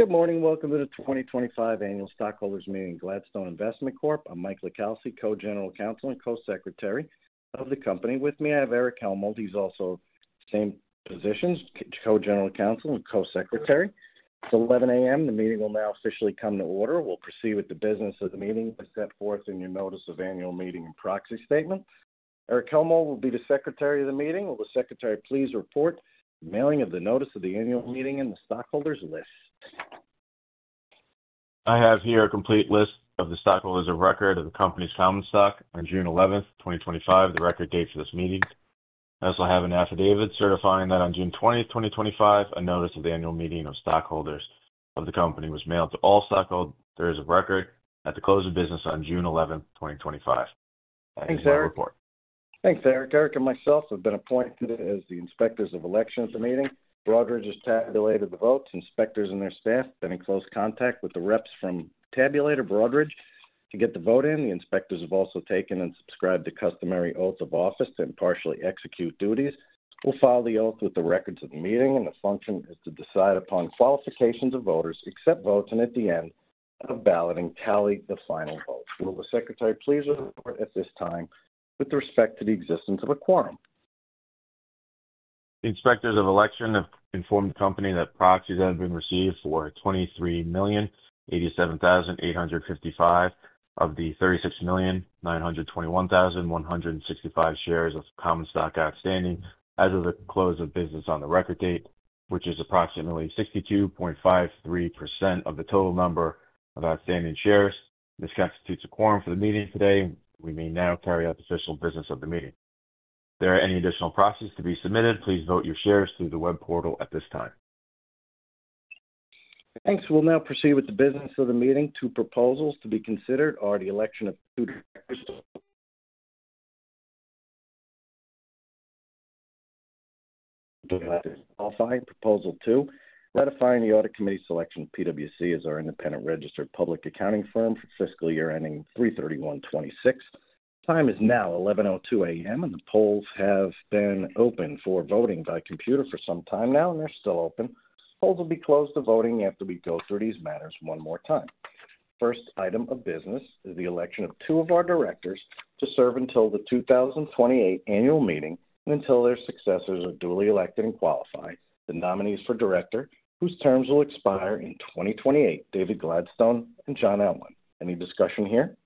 Good morning. Welcome to the 2025 Annual Stockholders Meeting of Gladstone Investment Corp. I'm Michael LiCalsi, Co-General Counsel and Co-Secretary of the company. With me, I have Erich Hellmold. He's also in the same position as Co-General Counsel and Co-Secretary. It's 11:00 A.M. The meeting will now officially come to order. We'll proceed with the business of the meeting as set forth in your notice of annual meeting and proxy statements. Erich Hellmold will be the Secretary of the meeting. Will the Secretary please report the mailing of the notice of the annual meeting and the stockholders' list? I have here a complete list of the stockholders of record of the company's common stock on June 11, 2025, the record date for this meeting. I also have an affidavit certifying that on June 20, 2025, a notice of the annual meeting of stockholders of the company was mailed to all stockholders of record at the close of business on June 11, 2025. Thanks, Erich. Erich and myself have been appointed as the inspectors of election at the meeting. Broadridge has tabulated the votes. Inspectors and their staff have been in close contact with the representatives from Broadridge to get the vote in. The inspectors have also taken and subscribed to the customary oath of office to impartially execute duties. We'll file the oath with the records of the meeting, and the function is to decide upon qualifications of voters, accept votes, and at the end of balloting, tally the final votes. Will the Secretary please report at this time with respect to the existence of a quorum? The inspectors of election have informed the company that proxies have been received for 23,087,855 of the 36,921,165 shares of common stock outstanding as of the close of business on the record date, which is approximately 62.53% of the total number of outstanding shares. This constitutes a quorum for the meeting today. We may now carry out the official business of the meeting. If there are any additional proxies to be submitted, please vote your shares through the web portal at this time. Thanks. We'll now proceed with the business of the meeting. Two proposals to be considered are the election of two directors. I'll sign Proposal 2. Ratifying the Audit Committee selection of PWC as our independent registered public accounting firm for the fiscal year ending 3/31/2026. The time is now 11:02 A.M. and the polls have been open for voting by computer for some time now, and they're still open. Polls will be closed to voting after we go through these matters one more time. The first item of business is the election of two of our directors to serve until the 2028 annual meeting and until their successors are duly elected and qualified. The nominees for director whose terms will expire in 2028 are David Gladstone and John Ellman. Any discussion here?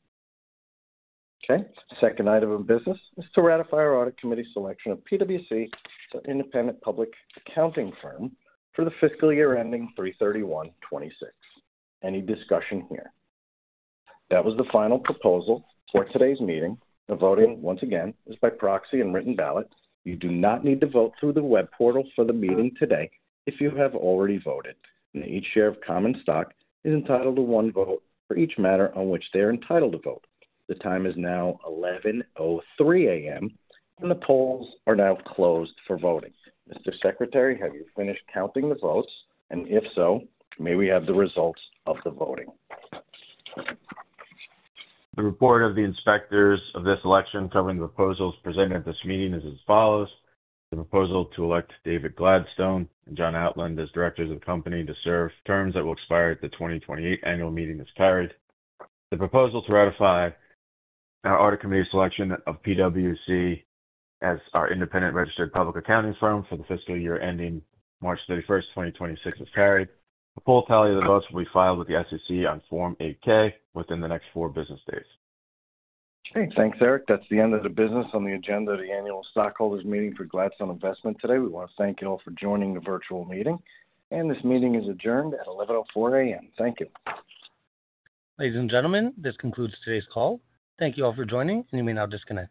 Okay. The second item of business is to ratify our Audit Committee selection of PWC as an independent registered public accounting firm for the fiscal year ending 3/31/2026. Any discussion here? That was the final proposal for today's meeting. The voting once again is by proxy and written ballot. You do not need to vote through the web portal for the meeting today if you have already voted. Each share of common stock is entitled to one vote for each matter on which they are entitled to vote. The time is now 11:03 A.M. and the polls are now closed for voting. Mr. Secretary, have you finished counting the votes? If so, may we have the results of the voting? The report of the inspectors of this election covering the proposals presented at this meeting is as follows: the proposal to elect David Gladstone and John Ellman as directors of the company to serve terms that will expire at the 2028 annual meeting is carried. The proposal to ratify our Audit Committee selection of PWC as our independent registered public accounting firm for the fiscal year ending March 31, 2026 is carried. The full tally of the votes will be filed with the SEC on Form 8-K within the next four business days. Okay, thanks, Erich. That's the end of the business on the agenda of the Annual Stockholders Meeting for Gladstone Investment today. We want to thank you all for joining the virtual meeting. This meeting is adjourned at 11:04 A.M. Thank you. Ladies and gentlemen, this concludes today's call. Thank you all for joining, and you may now disconnect.